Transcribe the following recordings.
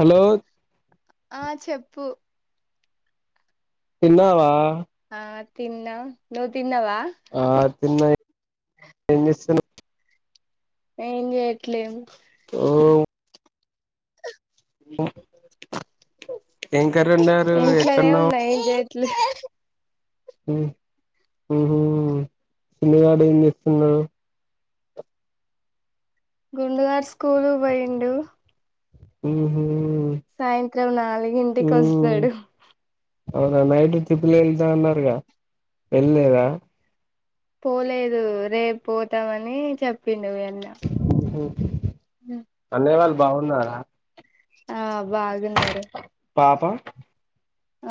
Hello ఆ చెప్పు తిన్నావా ఆ తిన్నా నువ్ తిన్ ఆ తిన్న ఎం చేస్తున్నావ్ ఏం చేయట్లేం ఆ హ్ [inaudible] ఏం కర్రీ వండారు ఇంట్లనే ఎక్కడున్నావ్ ఉన్నా ఏం చేయట్లే ఉమ్ ఉహుమ్మ్ చిన్నుగాడు ఎన్ జేత్ త్తునడు గుండుగాడు స్కూలుకు పోయిండు ఉ హు సాయంత్రం నాలుగింటికి వస్తాడు అవునా నైట్ తిప్పులి వెళ్తా అన్నారుగా వెళ్ళలేదా పోలేదు రేపు పోతమని చెప్పిం నువ్వు ఎన్న ఉహూ అన్నయ్య వాళ్ళు బాగున్నారా ఆ బాగున్ న్నారు పాప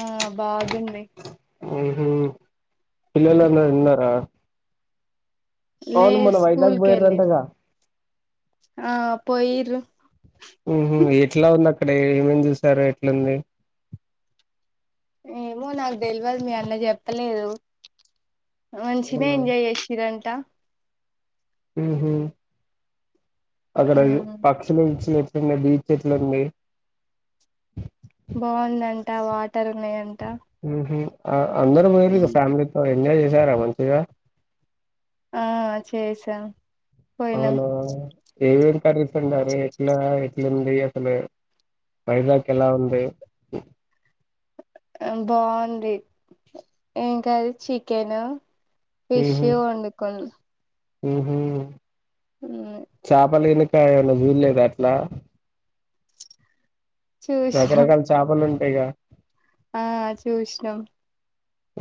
ఆ బాగుంది ఉహు పిల్లలందరూ ఉన్నారా లే అవును మొన్న వైజాగ్ స్కూల్ కెళ్ళి పోయింరంటగా ఆ పోయిరు ఉహు ఇంది ఏమో నాకు దేల్ వద్ మీ అన్న చెప్పలేదు మంచిిన ఎంజాయ్ చేసిరంట హ హ అక్కడ పక్షులు ఇచ్చి ఎట్లున్నాయి బీచ్ ఎట్లున్నాయి బాగుందంటా వాచ్ ఉ హ్మ్ అ అందరూ వెయ్యిరు ఫ్యామిలీతో ఎంజాయ్ చేసారా మంచిగా ఆ చేసాం పోయినాం అవునా ఎమ్ ఎమ్ కర్రీస్ వండారు ఎట్ల ఎట్లుంది ఏయి అస్తలో మైదాకు ఎలా ఉంది [inaudible] బాగుంది ఇంకా అది chicken uh who uh who చాపలేని కాయలు జిల్లేడ ఆ రా చూసినాం రకరకాల చేపలు ఉంటాయిగా ఆ చూసినమ్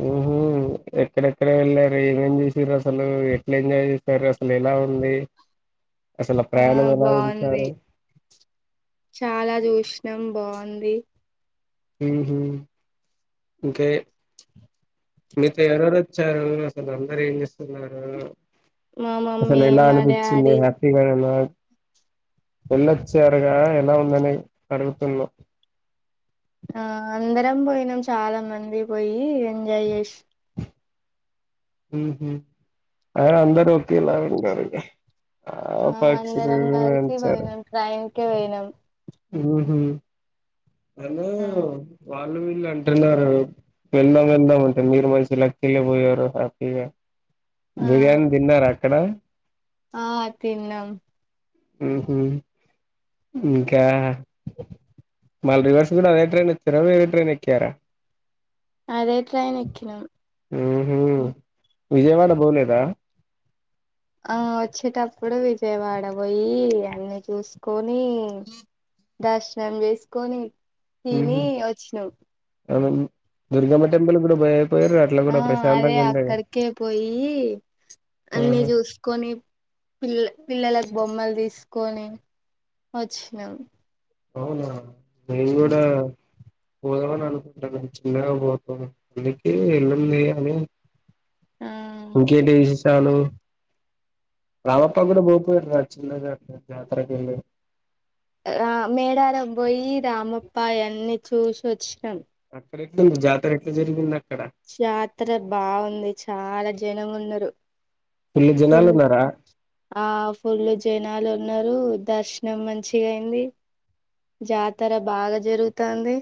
ఉహు ఎక్కడెక్కడ వెళ్లారు ఏమేం చేసిర్రు అసలు ఎట్లా ఎంజాయ్ చేసారు అసలు ఎలా ఉంది అసలు ఆ ప్రయాణం ఎలా బాగుంది ఉంచారు చాలా చూసినం బావుంది ఉ హు ఇంకయి మీతో ఎవరెవరు వచ్చారు వాళ్ళందరూ ఏం చేస్తున్నారు మా అసలు మమ్మీ ఎలా మా అనిపించింది డాడీ హ్యాపీగానా ఉన్నా వెళ్లొచ్చారుగా ఎలా ఉందనీ అడుగుతున్నావు ఆ అందరంపోయినం చాలా మంది పోయి ఎంజాయ్ చేసి ఉ హు అ అందరు ఒకెలాగ ఇంక రండి ఆ అందరం కలిసి పోయినం ట్రైన్ కి ఉకే పోయినం ఉ హు హలో వాళ్ళు వీళ్ళు అంటు ర్ న్నారు అ వెళ్దాం వెళ్దాం అంటే మీరు నువ్వు అయితే లక్కీ గా పోయావూర హ్యాపీ గా ఆ బిర్యానీ తిన్నార అక్కడ ఆ తిన్నాం ఉహు ఇంకా మళ్ రివర్స్ గూడా అదే ట్రైన్ ఏక్ క్కర వేరే ట్రైన్ ఎక్కారా అదే ట్రైన్ ఎక్కినం ఉహు హ విజయవాడ పోలేదా ఆ వచ్చేటప్పుడు విజయవాడ పోయి అన్ని చూసుకో నీ దర్శనం చేసుకోని తినీ ఉహు వచ్చినం అవును దుర్గమ్మ టెంపుల్ కూడా పోయిపోయారు అట్లా ఆ కూడా అదే ప్రశాంతంగా ఉండేగా అక్కడికే పోయి అన్నీ ఆహా చూసుకొని పిల్ పిల్లలకు బొమ్మలు తీసుకొని వచ్చినం అవునా నేను గూడా పోదామని అనుకుంటానా చిన్నగా పోతుంది అందుకి ఎల్లుంది అని ఇంకేంటి విశేషాలు రామప్పా గూడా పోపోయురా చిన్నగా జత్రకిి ఆ మేడారం పోయి రామప్ప అయ్యనీ చూసి వొచ్చి అక్కడ ఎట్ల ఉంది జాతర ఎట్ల జరిగింద జాత్రర బాగుంది చాలా జనం ఉన్నరు ఫుల్లు జనాలు ఫుల్ ఉన్నారా ఆ ఫుల్లు జనాలు ఉన్నరు దర్శనం మంచిగ అయింది జాతర బాగా జరుగుతాంది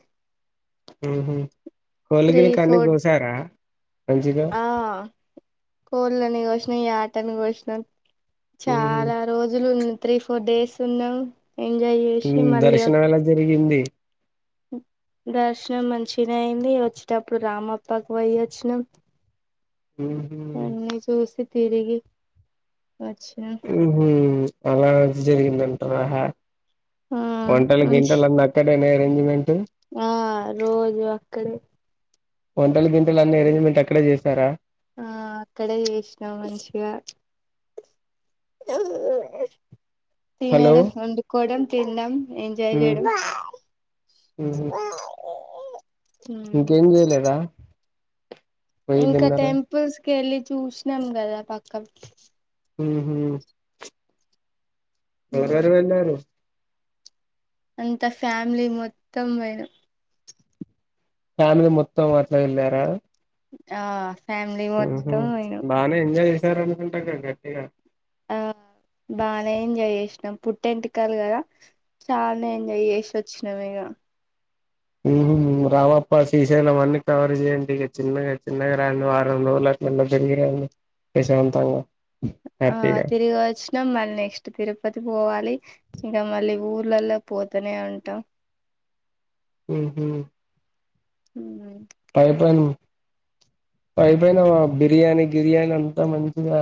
ఉహు కోలిగినీ కన్నీ ఫోర్ గోశారా మంచిగా ఆ కోళ్ళని కోస్నం యాటని కోస్నం ఉహు చాలా రోజులు త్రీ ఫోర్ డేస్ ఉన్నాం ఎంజాయ్ చేసి మళ్ళీ దర్శనం ఎలా జరిగింది దర్శనం మంచిగనే అయింది వచ్చేటప్పుడు రామప్పకు పోయి వొచ్చినం ఊ హుమ్ తిరిగి వచ్చినాం మ్మ్ హు అలా జరిగిందంటరా హ ఆ వంటలు మంచి గింటలు అన్ని అక్కడ్ అన్ని అరెంజ్ మెంట్ ఆ రోజు అక్కడే ఏంటి అక్కడే చేస్తారా ఆ అక్కడే చేసినాం మంచిగ హలో తినడం వండుకోవడం తిన్డం ఎంజాయ్ ఉమ్. చేయడం ఉహు ఇంకేం చేయలేదా పోయి ఇంకా తిన్నారా టెంపుల్స్ కెళ్ళి చూసినాం కదా పక్కల్ కి ముహు ఎవరు ఎవరు వెళ్ళారు అంత ఫ్యామిలీ మొత్తం పోయాం ఫ్యామిలీ మొత్తం అట్లా ఎళ్లారా ఆ ఫ్యామిలీ ముహుం మొత్తం పోయినం బానె ఎంజాయ్ చేశారనుకు కొంచెం గట్టిగా ఆ బానే ఎంజాయ్ చేసినాం పుట్ ఎంటుకలు కదా చానే ఎంజాయ్ జేసొచ్చినం ఇగ ఉమ్ రామప్ప శ్రీశైలం అన్ని కవర్ చేయండి ఇగ చిన్నగ చిన్నగా రాండి వారం రోజులు అట్లల్ల తిరిగి రాండి ప్రశాంతంగా ఆ హ్యాపీగా తిరుగి వచ్చినమ్ మల్ నెక్స్ట్ తిరుపతి పోవాలి. ఇంక మళ్ళీ ఊర్లల్ల పోతనే ఉంటాం. ఉహు హమ్ పై పన్ను అయిపోయినాగ బిర్యానీ గిర్యానీ అన్ బా మంచి గా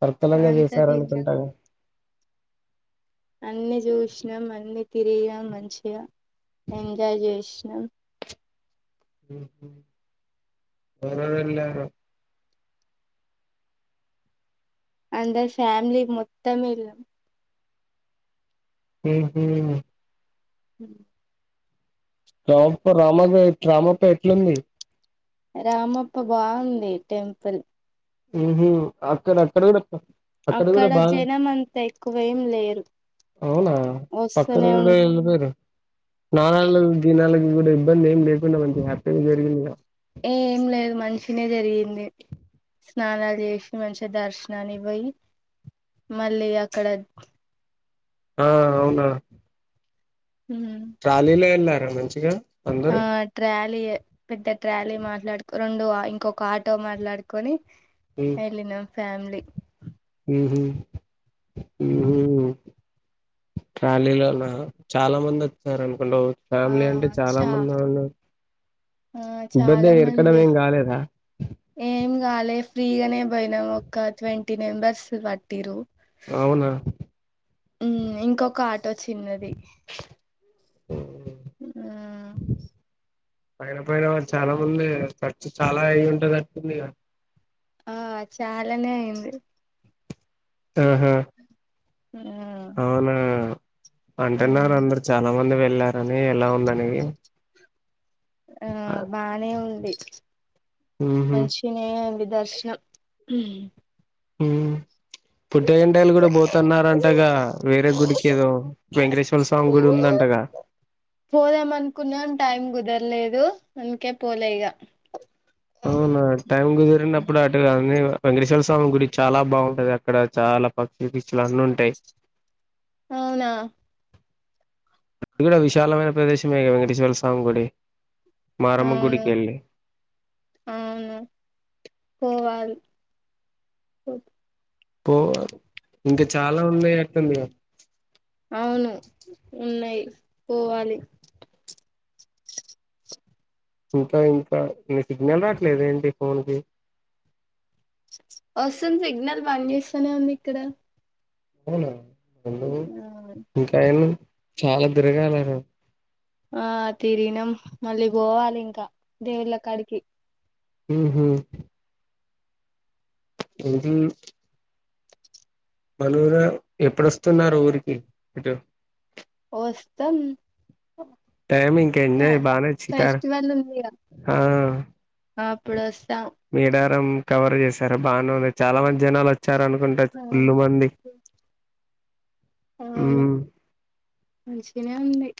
సర్కలంగా అంతా తిన్నాం చేసారనుకుంటాను. అన్ని చూసినాం అన్ని తిరిగినం మంచిగా ఎంజాయ్ చేసినం ఎవరెవరు వెళ్ళారో? అందరు ఫ్యామిలీ మొత్తం వెళ్ళాం. ఉ హుమ్ హు రామప్ప రామాగా రామాప్ప ఎట్లుంది రామప్ప బాగుంది టెంపుల్ ఉహు ఉమ్ అక్కడ అక్కడ కూడా అక్కడ కూడా బాగా జనం అంత ఎక్కువ ఏం లేరు అవునా పక్కన వస్తూనే ఉ కూడా వెళ్ళిపోయార నె ద నెల [unintelligible] కూడా ఇబ్బంది ఏం లేకుండా ఉంది హ్యాపీగా జరిగింది గా నే జరిగి గింది స్నానాలు చేసి మంచి గ దర్శనానికి పోయి మళ్ళీ అక్కడ ఆ అవునా ట్రాలీలో ఎల్లార్ ఆ మంచిగా ఆ అందరూ ట్రా లియే పెద్ద ట్రాలీ మాట్లాడుకొని రొండు ఆ ఇంకొక ఆటో మాట్లాడుకొని ఉమ్, వెళ్ళినం ఫ్యామిలీ ఉహు హుమ్మ్ ట్రాలీలలో చాలా మంది అచ్ సార్ అనుకుంటావ్ ఆ చా ఆ ఇబ్బంది చాలా ఎరకడం మంది ఏం కాలేదా ఏం కాలే ఫ్రీగానే పోయినాం ఒక ట్వంటీ మెంబర్స్ పట్టిరు అవునా ఉ ఇంకొక ఆటో చిన్నది ఆ పైన పైన చాలా మంది ఖర్చు చాలా అయి ఉంటంది నట్టుంది గ ఆ చాలానే అయింది ఆహా ఉమ్ అవునా అంటున్నారు అందరు చాలా మంది వెళ్ళారు కానీ ఎలా ఉందని ఆ బానే ఉంది ఉహు మంషిని అ దర్శనం హ్మ్మ్ పుట్టే గంటలు కూడా పోతున్నారంటగా వేరే గుడికి ఏదో వెంకటేశ్వర స్వామి గుడి ఉందంటగా పోదాం అనుకున్నాం టైం కుదరలేదు అందుకే పోలే ఇగా అవునా టైం కుదిరినప్పుడు అటు కాని వెంకటేశ్వర స్వామి గుడి చాలా బాగుంటది అక్కడ చాలా పక్ష పచ్చల అన్నీ ఉంటాయి అవునా ఇది కూడా విశాలమైన ప్రదేశమే వెంకటేశ్వర స్వామి కూడా మారమ్మ అవును గుడికెళ్ళి అవును పోవాలి పోవ ఇంకా చాలా ఉన్నాయి అక్కందిగా అవును ఉన్నాయి పోవాలి ఇంకా ఇంకా న సిగ్నల్ రాట్లేదు ఏంటి ఫోన్ కి వస్తుంది సిగ్నల్ పని చేస్తూనే ఉంది ఇక్కడ అవునా న ఇంకా అండి చాలా తిరగాలరు ఆ తీరిగినం మళ్ళీ పోవాలి ఇంకా దేవుళ్ళ కాడికి ఉమ్ హ్మ్మ్ ఉ మనవురా ఎప్పుడుస్తున్నారు ఊరికి ఇటు. వస్తాం. టైమింగ్ ఎంజాయ్ బానే చికారు ఫెస్టివల్ ఉందిగా అప్పుడు వస్తాం మీడ. కవర్ చేస్తూ. సరే బానే ఉంది చాలా మంది జనాలు వచ్చారు అనుకుంటారు ఫుల్ మంది. అవును ఉమ్ మంచిగానే ఉంది.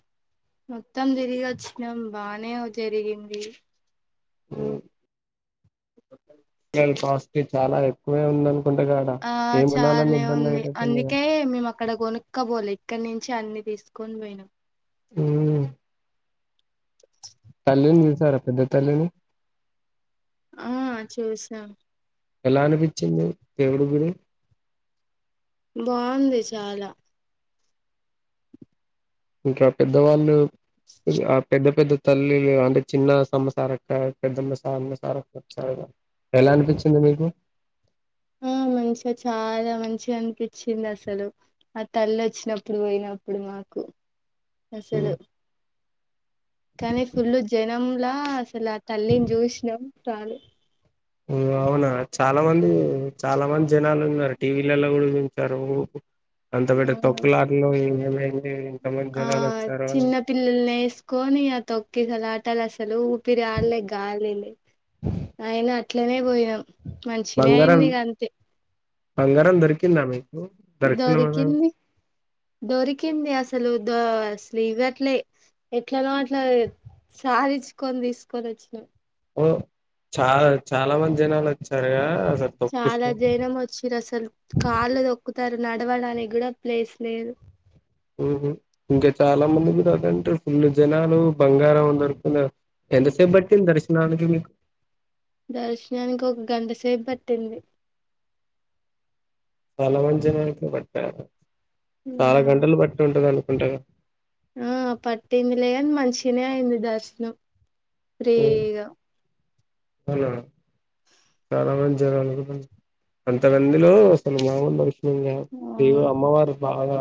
మొత్తం తిరిగి వచ్చినాం బానే జరిగింది. హ్మ్మ్ [inaudible] కోస్టలి చాలా ఎక్కువే ఉందం ఆ చాలే ఉంది అయిపోతుంది అందుకే మేము అక్కడ గొన్నకపోలే ఇక్కడ నుంచి అన్ని తీసుకొని పోయినం అ తల్లిని చూశారా పెద్ద తల్లిని ఆ చూసినాం ఎలా అనిపిచ్చింది దేవుడి గుడి బావుంది చాలా ఇంకా పెద్దవాళ్ళు ఇది ఆ పెద్ద పెద్ద తల్లిలు అంటే చిన్న సమ్మసారక్క పెద్దమ్మ సమ్మసారక్క వచ్చాలా ఎలా అనిపిచ్చింది మీకు ఆ మంచిగా చాలా మంచిగా అనిపిచ్చింది అసలు ఆ తల్లి వచ్చినప్పుడు పోయినప్పుడు మాకు అసలు కానీ ఫుల్లు జనం లా అసలు ఆ తల్లిని చూసినాం చాలు ఓ అవునా చాలా మంది చాలా మంది జనాలు ఉన్నారు టీవీలలో కూడా చూ సరు అంత పెద్ద తొక్కులట్లో ఏదేమైంది ఎంత మంది ఆ జనాలు వచ్చారు అని క్కిసలాటలసలు పిరి ఆడలే గాలిలే అయినా ఇట్లనే పోయ నం మంచినే బంగారం అయింది ఇగ అంతే బంగారం దొరికిందా మీకు దర్శనం దొరికింది దొరికింది అసలు దొ అసలివ్వట్లే ఎట్లనో అట్లా సాదిచ్చుకొని తీసుకొని వచ్చినం ఓ చాలా చాలా మంది జనాలు వచ్చారుగా అసలు తొక్కిస్త చాలా జనం వచ్చిరు అసలు కాళ్లు దొక్కుతారు నడవడానికి కూడా ప్లేస్ లేదు హ్మ్ హు ఇంకా చాలా మందికి అటెంటివ్ ఫుల్ జనాలు లు బంగారం దొరుకున్న ఎంతసేపు పట్టింది దర్శనానికి మీకు దర్శనానికి ఒక గంట సేపు పట్టింది తలవని జనానికి పెట్టారు ఆ చాలా గంటలు బట్టి ఉంటుందిను ఉంటాగా ఆ పట్టిందిలేగ మంచిగానే అయింది దర్శనం ఫ్రీగా హలో. చాలా మంది జనాలు [inaudible] అంత మందిలో అసలు మామూలు మనుషులం కాం ఆ దేవుడు అమ్మవారు బాగా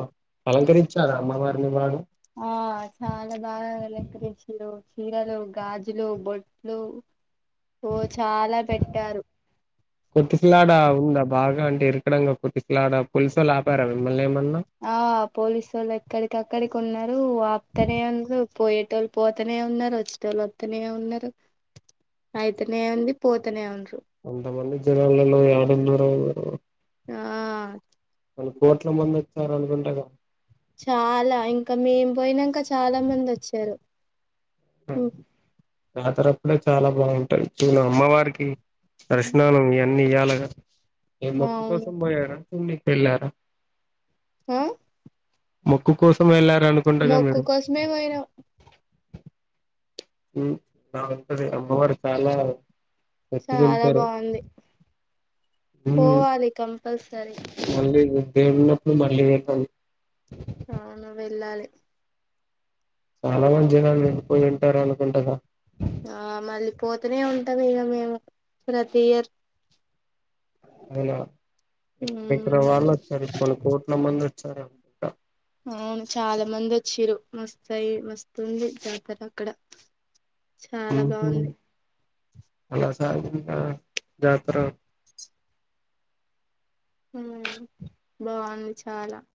అలంకరించారా అమ్మవారిని బాగా. ఆ చాలా బాగా అలంకరించిర్రు చీరలూ, గాజులూ, బొట్లూ. ఓ చాలా పెట్టారు. క్కడంగా తొక్కిసలాట పోలీసోళ్ ఆపారా మిమ్మల్ ఆ పోలీసోల్లు ఎక్కడికక్కడికి ఉన్నరూ, ఆప్తనే ఉన్నరూ పోయేటోళ్. పోతనే ఉన్నరు, వచ్చిటోళ్ళు వత్తనే ఉన్నరు, అయితనే ఉంది పోతనే ఉండ్రు. కొంతమంది జనాలలో యాడున్నరో. ఆ మంది వచ్చారు అనుకుంటగా చాలా ఇంకా మేం పోయినంక చాలా మంది వచ్చారు. హ జాతరప్పుడే చాలా బాగుంటాయి. [unintelligible] అమ్మవారికి. దర్శనాలు ఇ అన్నీయాలగా ఏ మొక్కు అవును కోసం పోయారు. చూడ్నిక్ ఎల్లారా. ఆ మొక్కు కోసం ఎల్లార్ మొక్కు కోసమే పొయినం. ఊ బాగుంటది అమ్మవారి [unintelligible] చాలా బాగుంది ఓ అది కం కంపల్సరీ మళ్ళీ దేవుడు ఉన్నప్పుడు మళ్ళీ పెట్టాలి. అవును వెళ్ళాలి. చాలా మంది జనాలు వెళ్ళిపోయి ఉంటారు అనుకుంటరా. ఆ మళ్ళీ పోతూనే ఉంటాం ఇగ మేము, ప్రతీ ఇయర్. అయినా ఎక్కడెక్కడ మ్మ్ వాళ్ళు వచ్చారు, కొన్ని కోట్ల మంది వచ్చారు. [inaudible] అవును చాలా మంది వచ్చింరు. మస్త్ ఐ మస్తుందీ జాతర అక్కడ. చాలా ఉహు, బాగుంది. అలా సాగిందా జాతరో. ఉమ్. బాగుంది చాలా.